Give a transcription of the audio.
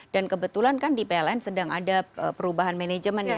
dan kebetulan kan di pln sedang ada perubahan manajemen ya